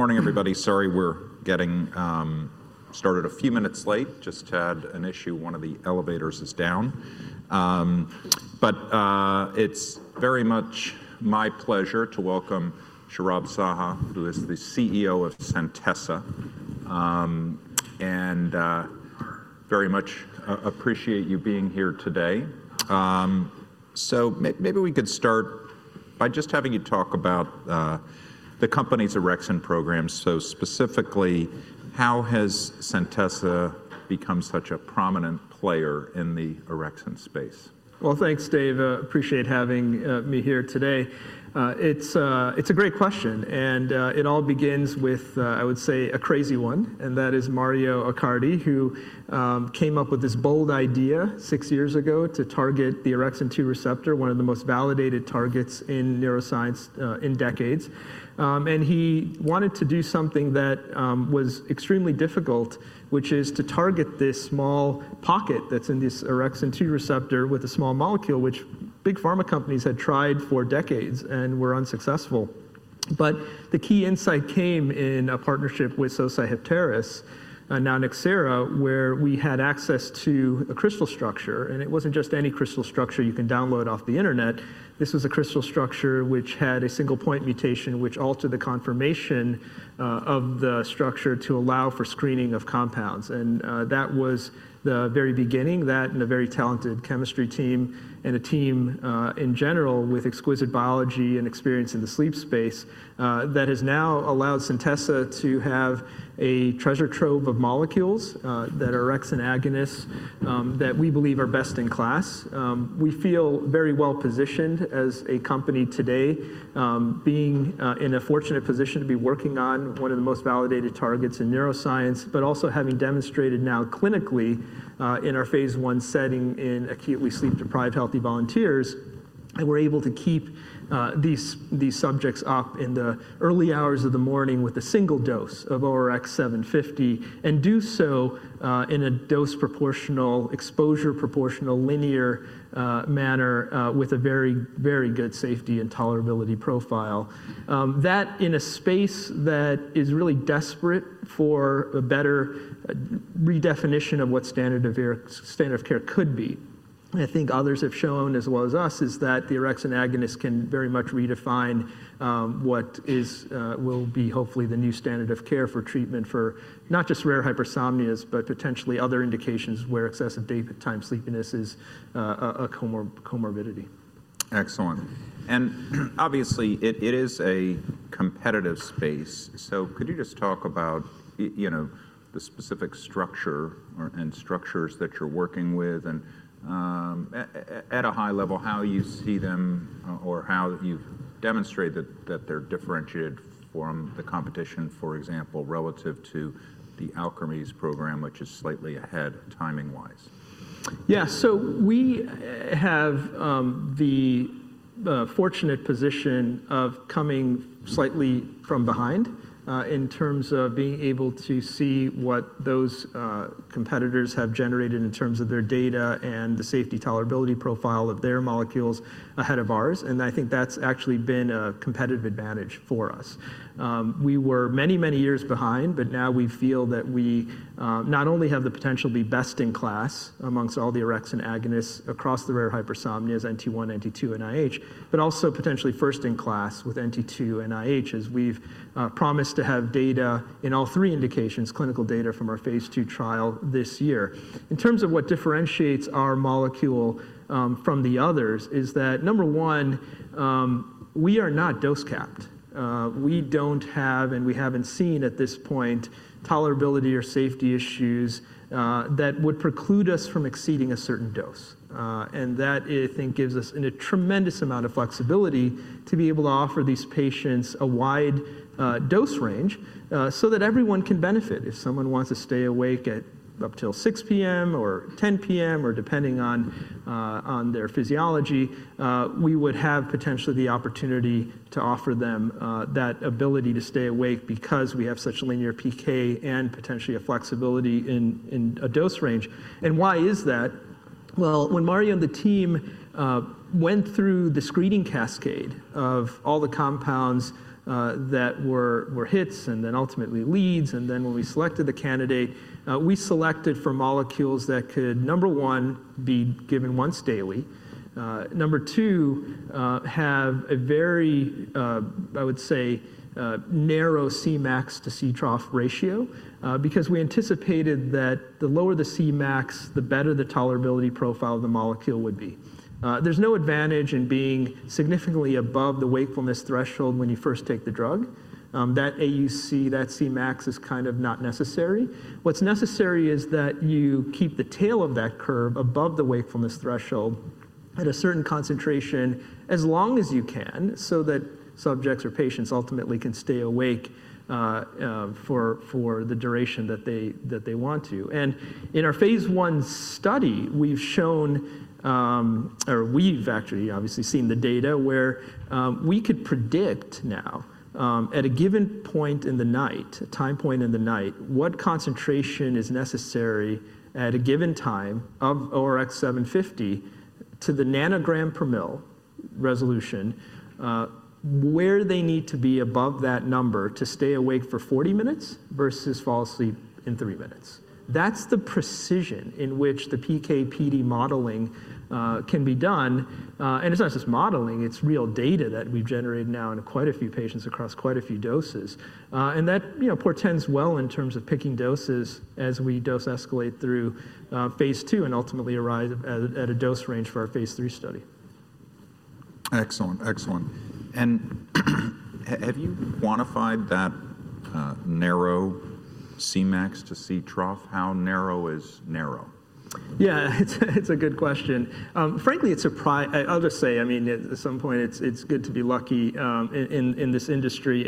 Good morning, everybody. Sorry we're getting started a few minutes late. Just had an issue, one of the elevators is down. It is very much my pleasure to welcome Saurabh Saha, who is the CEO of Centessa, and very much appreciate you being here today. Maybe we could start by just having you talk about the company's orexin program. Specifically, how has Centessa become such a prominent player in the orexin space? Thanks, Dave. Appreciate having me here today. It's a great question, and it all begins with, I would say, a crazy one, and that is Mario Accardi, who came up with this bold idea six years ago to target the orexin receptor, one of the most validated targets in neuroscience in decades. He wanted to do something that was extremely difficult, which is to target this small pocket that's in this orexin receptor with a small molecule, which big pharma companies had tried for decades and were unsuccessful. The key insight came in a partnership with Sosei Heptares, now Nxera, where we had access to a crystal structure, and it wasn't just any crystal structure you can download off the internet. This was a crystal structure which had a single point mutation which altered the conformation of the structure to allow for screening of compounds. That was the very beginning that, and a very talented chemistry team and a team, in general with exquisite biology and experience in the sleep space, that has now allowed Centessa to have a treasure trove of molecules, that are orexin agonists, that we believe are best in class. We feel very well positioned as a company today, being, in a fortunate position to be working on one of the most validated targets in neuroscience, but also having demonstrated now clinically, in our phase I setting in acutely sleep deprived healthy volunteers, that we're able to keep, these, these subjects up in the early hours of the morning with a single dose of ORX750 and do so, in a dose proportional exposure proportional linear, manner, with a very, very good safety and tolerability profile. That in a space that is really desperate for a better redefinition of what standard of care could be. I think others have shown as well as us is that the orexin agonist can very much redefine what is, will be hopefully the new standard of care for treatment for not just rare hypersomnias, but potentially other indications where excessive daytime sleepiness is a comorbidity. Excellent. Obviously, it is a competitive space. Could you just talk about, you know, the specific structure or structures that you're working with and, at a high level, how you see them or how you've demonstrated that they're differentiated from the competition, for example, relative to the Alkermes program, which is slightly ahead timing-wise? Yeah, so we have the fortunate position of coming slightly from behind, in terms of being able to see what those competitors have generated in terms of their data and the safety tolerability profile of their molecules ahead of ours. I think that's actually been a competitive advantage for us. We were many, many years behind, but now we feel that we not only have the potential to be best in class amongst all the orexin agonists across the rare hypersomnias, NT1, NT2, and IH, but also potentially first in class with NT2 and IH as we've promised to have data in all three indications, clinical data from our phase II trial this year. In terms of what differentiates our molecule from the others is that number one, we are not dose-capped. We don't have, and we haven't seen at this point, tolerability or safety issues that would preclude us from exceeding a certain dose. That, I think, gives us a tremendous amount of flexibility to be able to offer these patients a wide dose range so that everyone can benefit. If someone wants to stay awake up till 6:00 P.M. or 10:00 P.M. or depending on their physiology, we would have potentially the opportunity to offer them that ability to stay awake because we have such linear PK and potentially a flexibility in a dose range. Why is that? When Mario and the team went through the screening cascade of all the compounds that were hits and then ultimately leads, and then when we selected the candidate, we selected for molecules that could, number one, be given once daily. Number two, have a very, I would say, narrow Cmax to Ctrough ratio, because we anticipated that the lower the Cmax, the better the tolerability profile of the molecule would be. There's no advantage in being significantly above the wakefulness threshold when you first take the drug. That AUC, that Cmax is kind of not necessary. What's necessary is that you keep the tail of that curve above the wakefulness threshold at a certain concentration as long as you can so that subjects or patients ultimately can stay awake, for, for the duration that they, that they want to. In our phase I study, we've shown, or we've actually obviously seen the data where we could predict now, at a given point in the night, a time point in the night, what concentration is necessary at a given time of ORX750 to the nanogram per mL resolution, where they need to be above that number to stay awake for 40 minutes versus fall asleep in three minutes. That's the precision in which the PK/PD modeling can be done. It's not just modeling, it's real data that we've generated now in quite a few patients across quite a few doses. That, you know, portends well in terms of picking doses as we dose escalate through phase II and ultimately arrive at a dose range for our phase III study. Excellent, excellent. Have you quantified that, narrow Cmax to Ctrough? How narrow is narrow? Yeah, it's a good question. Frankly, it's a pri, I'll just say, I mean, at some point, it's good to be lucky in this industry.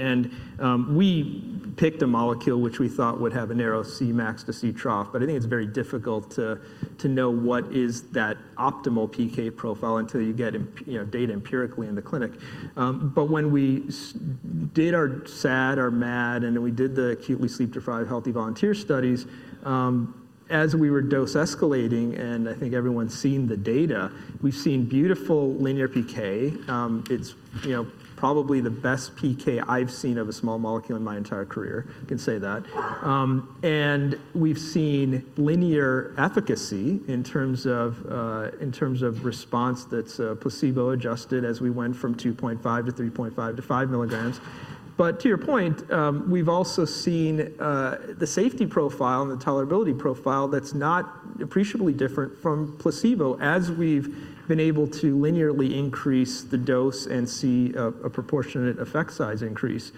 We picked a molecule which we thought would have a narrow Cmax to Ctrough, but I think it's very difficult to know what is that optimal PK profile until you get, you know, data empirically in the clinic. When we did our SAD, our MAD, and then we did the acutely sleep deprived healthy volunteer studies, as we were dose escalating, and I think everyone's seen the data, we've seen beautiful linear PK. It's probably the best PK I've seen of a small molecule in my entire career. I can say that. We've seen linear efficacy in terms of, in terms of response that's placebo adjusted as we went from 2.5 mg-3.5 mg-5 mg. To your point, we've also seen the safety profile and the tolerability profile that's not appreciably different from placebo as we've been able to linearly increase the dose and see a proportionate effect size increase.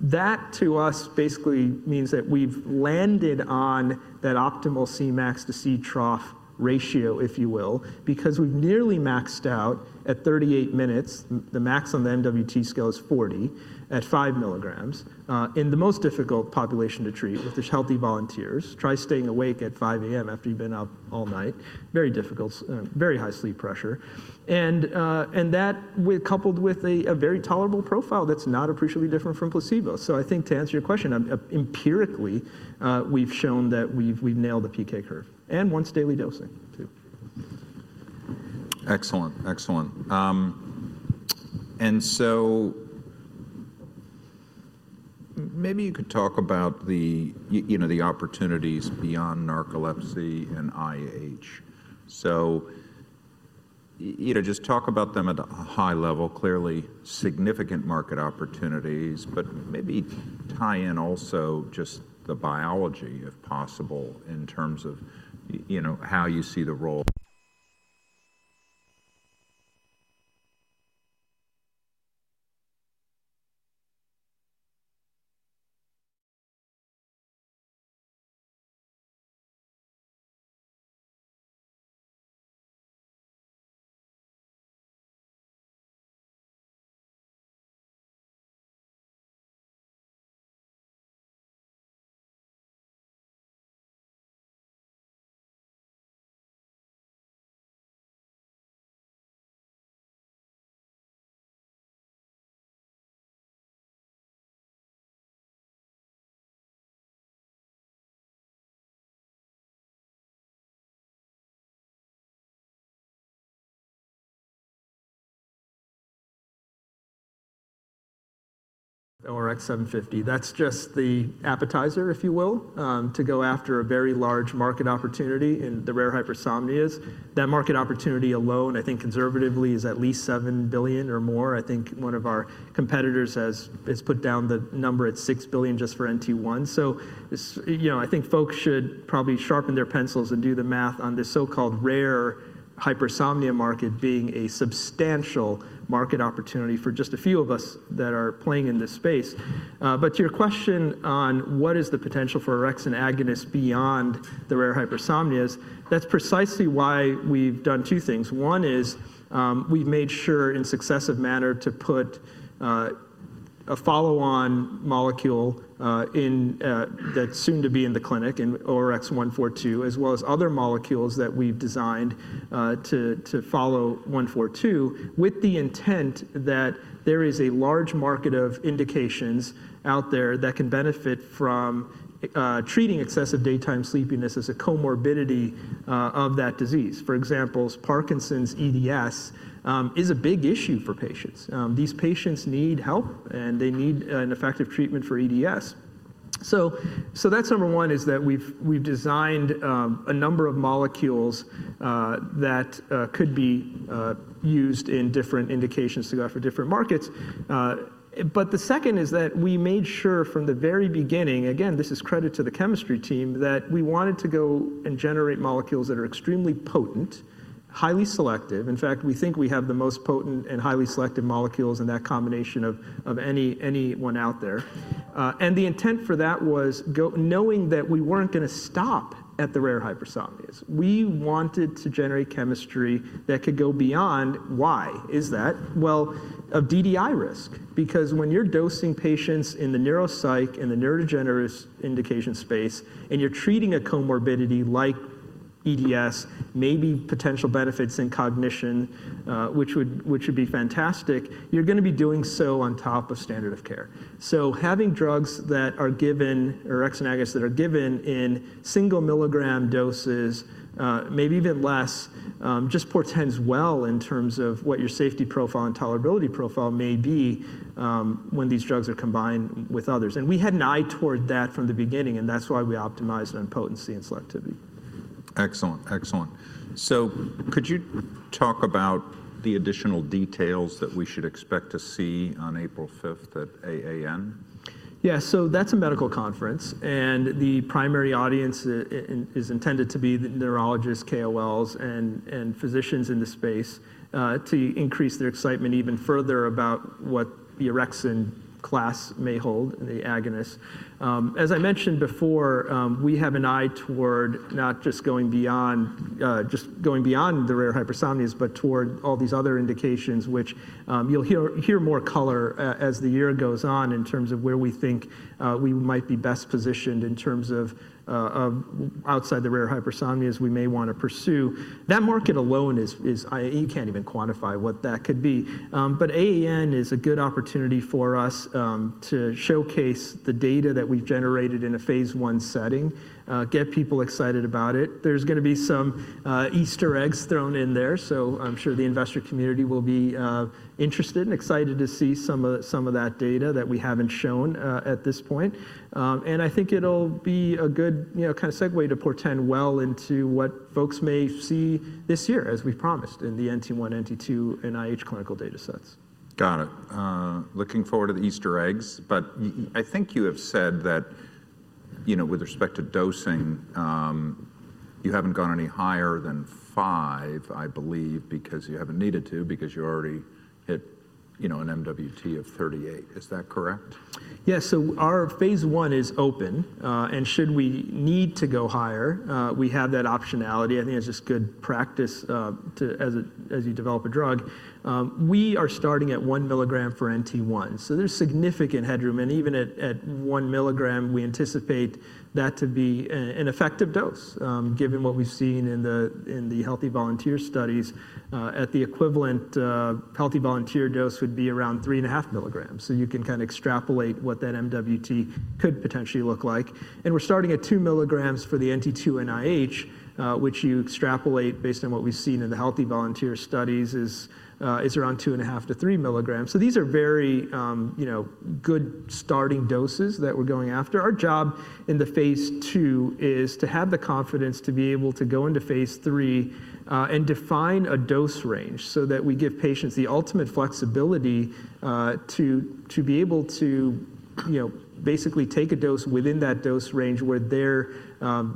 That to us basically means that we've landed on that optimal Cmax to Ctrough ratio, if you will, because we've nearly maxed out at 38 minutes. The max on the MWT scale is 40 minutes at 5 mg, in the most difficult population to treat with these healthy volunteers. Try staying awake at 5:00 A.M. after you've been up all night. Very difficult, very high sleep pressure. That, coupled with a very tolerable profile that's not appreciably different from placebo. I think to answer your question, empirically, we've shown that we've nailed the PK curve and once daily dosing too. Excellent, excellent. And so maybe you could talk about the, you know, the opportunities beyond narcolepsy and IH. So, you know, just talk about them at a high level, clearly significant market opportunities, but maybe tie in also just the biology if possible in terms of, you know, how you see the role. ORX750. That's just the appetizer, if you will, to go after a very large market opportunity in the rare hypersomnias. That market opportunity alone, I think conservatively, is at least $7 billion or more. I think one of our competitors has put down the number at $6 billion just for NT1. This, you know, I think folks should probably sharpen their pencils and do the math on this so-called rare hypersomnia market being a substantial market opportunity for just a few of us that are playing in this space. To your question on what is the potential for orexin agonists beyond the rare hypersomnias, that's precisely why we've done two things. One is, we've made sure in successive manner to put a follow-on molecule in that's soon to be in the clinic in ORX142, as well as other molecules that we've designed to follow 142 with the intent that there is a large market of indications out there that can benefit from treating excessive daytime sleepiness as a comorbidity of that disease. For example, Parkinson's EDS is a big issue for patients. These patients need help and they need an effective treatment for EDS. That's number one is that we've designed a number of molecules that could be used in different indications to go out for different markets. The second is that we made sure from the very beginning, again, this is credit to the chemistry team, that we wanted to go and generate molecules that are extremely potent, highly selective. In fact, we think we have the most potent and highly selective molecules and that combination of, of any, anyone out there. The intent for that was go knowing that we weren't going to stop at the rare hypersomnias. We wanted to generate chemistry that could go beyond. Why is that? Of DDI risk, because when you're dosing patients in the neuropsych and the neurodegenerative indication space and you're treating a comorbidity like EDS, maybe potential benefits in cognition, which would, which would be fantastic, you're going to be doing so on top of standard of care. Having drugs that are given, or agonists that are given in single milligram doses, maybe even less, just portends well in terms of what your safety profile and tolerability profile may be, when these drugs are combined with others. We had an eye toward that from the beginning, and that's why we optimized on potency and selectivity. Excellent, excellent. Could you talk about the additional details that we should expect to see on April 5th at AAN? Yeah, so that's a medical conference and the primary audience is intended to be the neurologists, KOLs, and physicians in the space, to increase their excitement even further about what the orexin class may hold and the agonist. As I mentioned before, we have an eye toward not just going beyond the rare hypersomnias, but toward all these other indications, which, you'll hear more color, as the year goes on in terms of where we think we might be best positioned in terms of outside the rare hypersomnias we may want to pursue. That market alone is, you can't even quantify what that could be. AAN is a good opportunity for us to showcase the data that we've generated in a phase I setting, get people excited about it. There's going to be some Easter eggs thrown in there. I'm sure the investor community will be interested and excited to see some of that data that we haven't shown at this point. I think it'll be a good, you know, kind of segue to portend well into what folks may see this year, as we promised in the NT1, NT2, and IH clinical data sets. Got it. Looking forward to the Easter eggs, but I think you have said that, you know, with respect to dosing, you haven't gone any higher than five, I believe, because you haven't needed to, because you already hit, you know, an MWT of 38. Is that correct? Yeah. Our phase I is open, and should we need to go higher, we have that optionality. I think it's just good practice, as you develop a drug. We are starting at 1 mg for NT1. There is significant headroom. Even at 1 mg, we anticipate that to be an effective dose, given what we've seen in the healthy volunteer studies. The equivalent healthy volunteer dose would be around 3.5 mg. You can kind of extrapolate what that MWT could potentially look like. We are starting at two milligrams for the NT2 and IH, which you extrapolate based on what we've seen in the healthy volunteer studies is around 2.5 mg-3 mg. These are very, you know, good starting doses that we're going after. Our job in the phase II is to have the confidence to be able to go into phase III, and define a dose range so that we give patients the ultimate flexibility, to, to be able to, you know, basically take a dose within that dose range where their,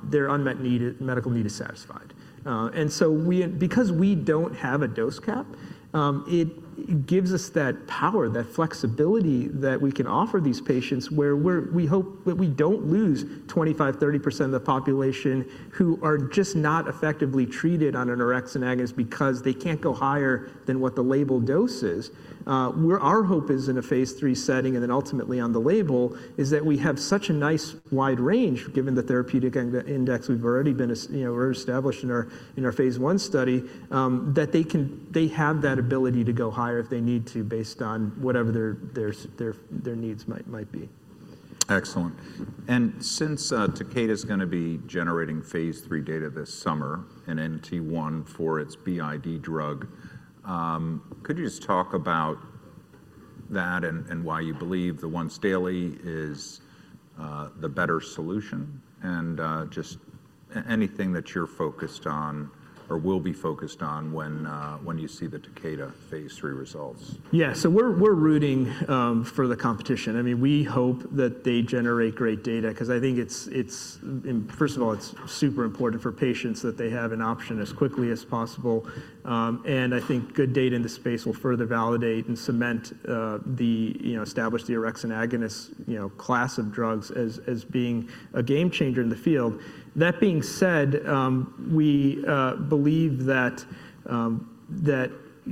their unmet needed, medical need is satisfied. We, because we do not have a dose cap, it gives us that power, that flexibility that we can offer these patients where we hope that we do not lose 25%-30% of the population who are just not effectively treated on an orexin agonist because they cannot go higher than what the label dose is. where our hope is in a phase III setting and then ultimately on the label is that we have such a nice wide range, given the therapeutic index we've already been, you know, we're established in our, in our phase I study, that they can, they have that ability to go higher if they need to based on whatever their needs might be. Excellent. Since Takeda's going to be generating phase III data this summer in NT1 for its BID drug, could you just talk about that and why you believe the once daily is the better solution and just anything that you're focused on or will be focused on when you see the Takeda phase III results? Yeah. We're rooting for the competition. I mean, we hope that they generate great data because I think it's, first of all, it's super important for patients that they have an option as quickly as possible. I think good data in the space will further validate and cement the, you know, establish the orexin agonist, you know, class of drugs as being a game changer in the field. That being said, we believe that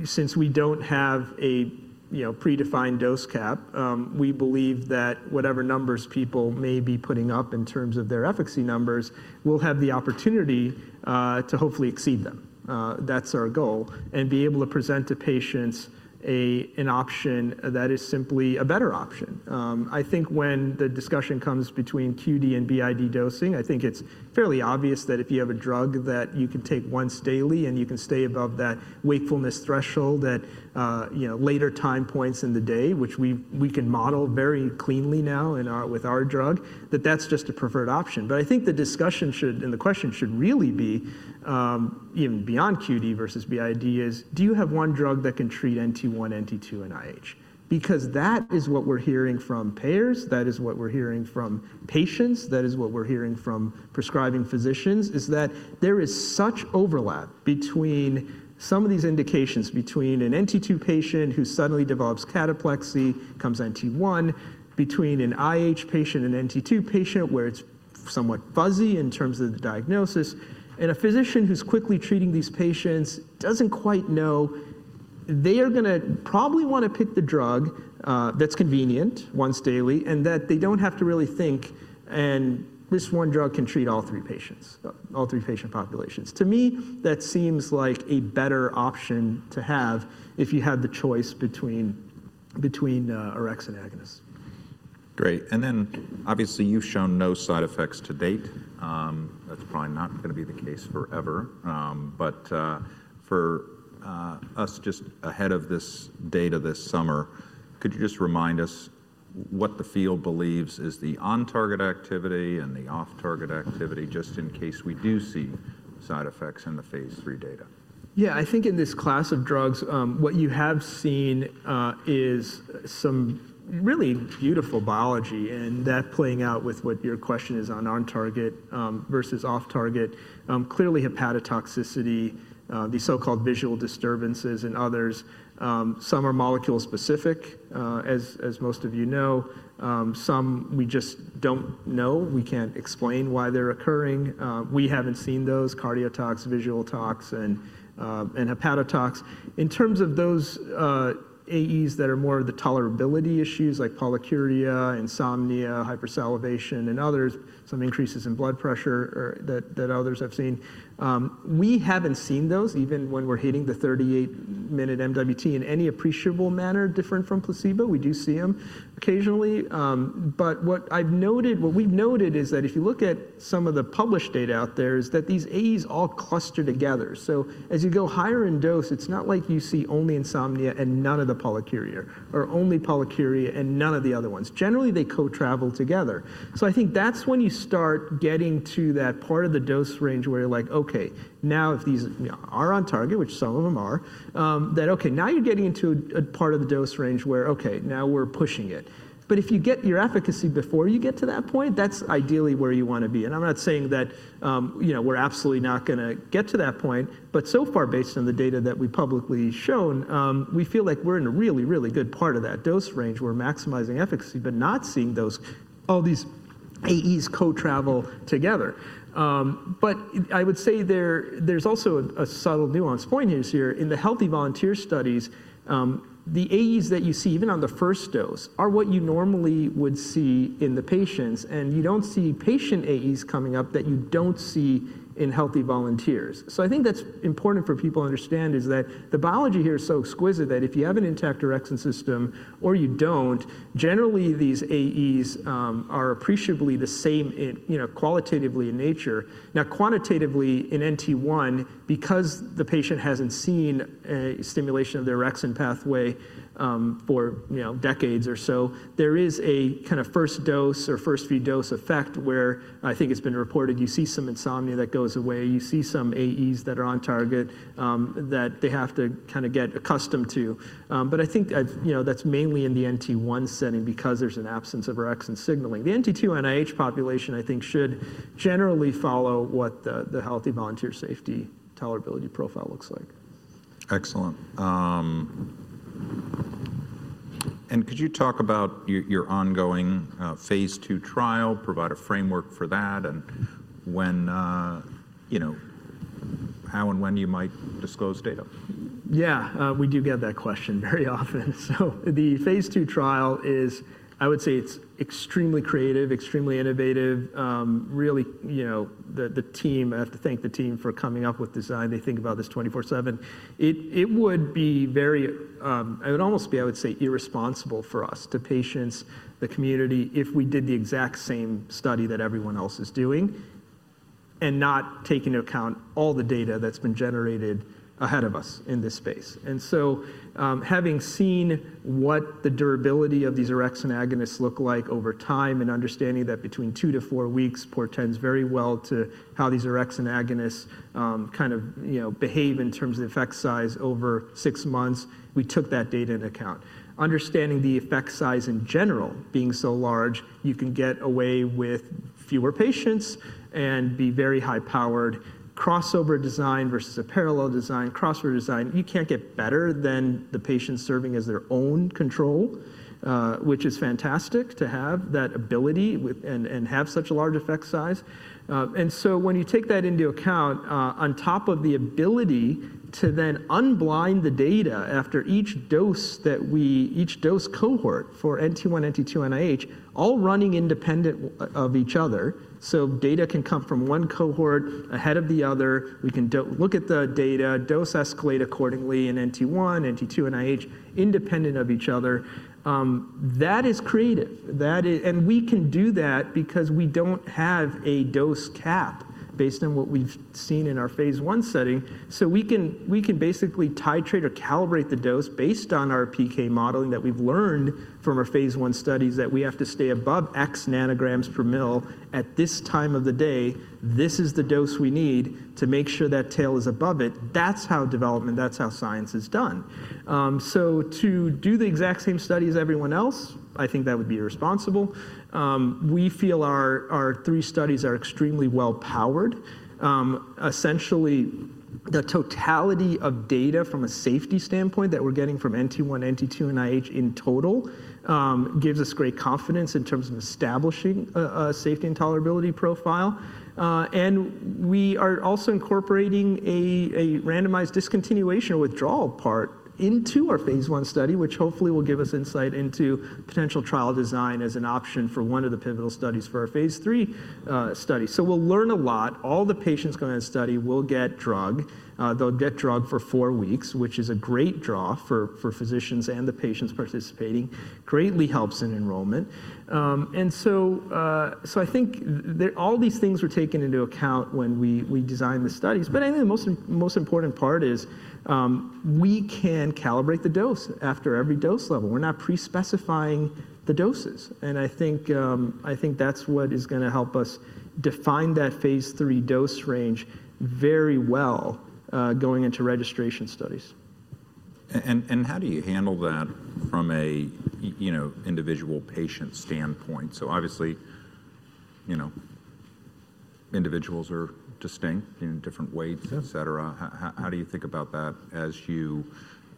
since we don't have a, you know, predefined dose cap, we believe that whatever numbers people may be putting up in terms of their efficacy numbers, we'll have the opportunity to hopefully exceed them. That's our goal and be able to present to patients an option that is simply a better option. I think when the discussion comes between QD and BID dosing, I think it's fairly obvious that if you have a drug that you can take once daily and you can stay above that wakefulness threshold at, you know, later time points in the day, which we can model very cleanly now in our, with our drug, that that's just a preferred option. I think the discussion should, and the question should really be, even beyond QD versus BID is do you have one drug that can treat NT1, NT2, and IH? Because that is what we're hearing from payers. That is what we're hearing from patients. That is what we're hearing from prescribing physicians is that there is such overlap between some of these indications between an NT2 patient who suddenly develops cataplexy, becomes NT1, between an IH patient, an NT2 patient where it's somewhat fuzzy in terms of the diagnosis, and a physician who's quickly treating these patients doesn't quite know they are going to probably want to pick the drug that's convenient once daily and that they don't have to really think and this one drug can treat all three patients, all three patient populations. To me, that seems like a better option to have if you had the choice between, between, orexin agonist. Great. Obviously you've shown no side effects to date. That's probably not going to be the case forever. For us just ahead of this data this summer, could you just remind us what the field believes is the on-target activity and the off-target activity just in case we do see side effects in the phase III data? Yeah, I think in this class of drugs, what you have seen is some really beautiful biology and that playing out with what your question is on on-target versus off-target. Clearly hepatotoxicity, the so-called visual disturbances and others, some are molecule specific, as most of you know. Some we just don't know. We can't explain why they're occurring. We haven't seen those cardio tox, visual tox, and hepatotox in terms of those. AEs that are more of the tolerability issues like polyuria, insomnia, hypersalivation, and others, some increases in blood pressure or that, that others have seen. We haven't seen those even when we're hitting the 38 minute MWT in any appreciable manner different from placebo. We do see them occasionally. What I've noted, what we've noted is that if you look at some of the published data out there is that these AEs all cluster together. As you go higher in dose, it's not like you see only insomnia and none of the polyuria or only polyuria and none of the other ones. Generally, they co-travel together. I think that's when you start getting to that part of the dose range where you're like, okay, now if these are on target, which some of them are, that okay, now you're getting into a part of the dose range where, okay, now we're pushing it. If you get your efficacy before you get to that point, that's ideally where you want to be. I'm not saying that, you know, we're absolutely not going to get to that point, but so far based on the data that we've publicly shown, we feel like we're in a really, really good part of that dose range where maximizing efficacy, but not seeing those, all these AEs co-travel together. I would say there's also a subtle nuance point here is here in the healthy volunteer studies, the AEs that you see even on the first dose are what you normally would see in the patients. You don't see patient AEs coming up that you don't see in healthy volunteers. I think that's important for people to understand is that the biology here is so exquisite that if you have an intact orexin system or you don't, generally these AEs are appreciably the same in, you know, qualitatively in nature. Now, quantitatively in NT1, because the patient hasn't seen a stimulation of their orexin pathway, for, you know, decades or so, there is a kind of first dose or first few dose effect where I think it's been reported you see some insomnia that goes away. You see some AEs that are on target, that they have to kind of get accustomed to. I think, you know, that's mainly in the NT1 setting because there's an absence of orexin signaling. The NT2 and IH population, I think should generally follow what the, the healthy volunteer safety tolerability profile looks like. Excellent. And could you talk about your ongoing phase II trial, provide a framework for that and when, you know, how and when you might disclose data? Yeah, we do get that question very often. The phase II trial is, I would say it's extremely creative, extremely innovative, really, you know, the team, I have to thank the team for coming up with design. They think about this 24/7. It would be very, it would almost be, I would say irresponsible for us, the patients, the community, if we did the exact same study that everyone else is doing and not taking into account all the data that's been generated ahead of us in this space. Having seen what the durability of these orexin agonists look like over time and understanding that between two to four weeks portends very well to how these orexin agonists, kind of, you know, behave in terms of the effect size over six months, we took that data into account. Understanding the effect size in general being so large, you can get away with fewer patients and be very high powered crossover design versus a parallel design, crossover design. You can't get better than the patient serving as their own control, which is fantastic to have that ability with and, and have such a large effect size. When you take that into account, on top of the ability to then unblind the data after each dose that we, each dose cohort for NT1, NT2, and IH all running independent of each other. Data can come from one cohort ahead of the other. We can look at the data, dose escalate accordingly in NT1, NT2, and IH independent of each other. That is creative. That is, and we can do that because we don't have a dose cap based on what we've seen in our phase I setting. We can basically titrate or calibrate the dose based on our PK modeling that we've learned from our phase I studies that we have to stay above X nanograms per mL at this time of the day. This is the dose we need to make sure that tail is above it. That's how development, that's how science is done. To do the exact same study as everyone else, I think that would be irresponsible. We feel our three studies are extremely well powered. Essentially the totality of data from a safety standpoint that we're getting from NT1, NT2, and IH in total gives us great confidence in terms of establishing a safety and tolerability profile. We are also incorporating a randomized discontinuation or withdrawal part into our phase I study, which hopefully will give us insight into potential trial design as an option for one of the pivotal studies for our phase III study. We will learn a lot. All the patients going on study will get drug, they'll get drug for four weeks, which is a great draw for physicians and the patients participating. It greatly helps in enrollment. I think all these things were taken into account when we designed the studies. I think the most important part is we can calibrate the dose after every dose level. We're not pre-specifying the doses. I think that's what is going to help us define that phase III dose range very well, going into registration studies. How do you handle that from a, you know, individual patient standpoint? Obviously, you know, individuals are distinct in different ways, et cetera. How do you think about that as you,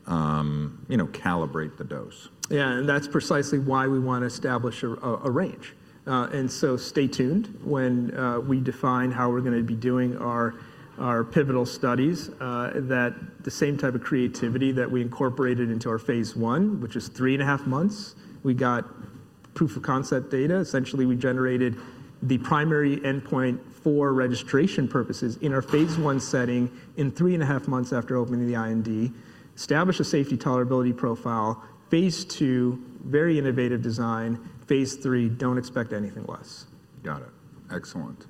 you know, calibrate the dose? Yeah. That's precisely why we want to establish a range. Stay tuned when we define how we're going to be doing our pivotal studies. The same type of creativity that we incorporated into our phase I, which is three and a half months, we got proof of concept data. Essentially, we generated the primary endpoint for registration purposes in our phase I setting in three and a half months after opening the IND, established a safety tolerability profile. Phase II, very innovative design. Phase III, don't expect anything less. Got it. Excellent.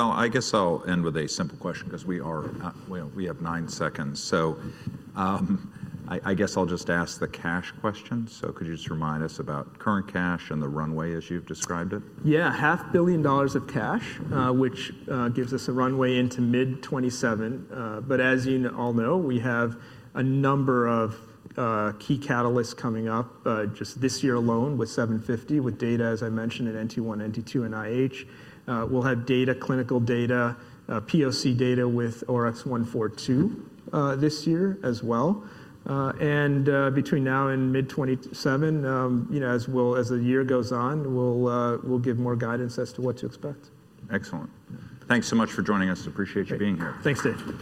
I guess I'll end with a simple question because we are, we have nine seconds. I guess I'll just ask the cash question. Could you just remind us about current cash and the runway as you've described it? Yeah. $500 million of cash, which gives us a runway into mid 2027. As you all know, we have a number of key catalysts coming up just this year alone with 750, with data, as I mentioned, in NT1, NT2, and IH. We will have data, clinical data, POC data with ORX142 this year as well. Between now and mid 2027, you know, as the year goes on, we will give more guidance as to what to expect. Excellent. Thanks so much for joining us. Appreciate you being here. Thanks, David.